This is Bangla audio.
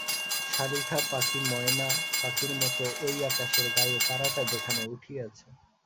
শালিখা পাখি ময়না পাখির মতো ওই আকাশের গায়ে তারাটা যেখানে উঠিয়াছে?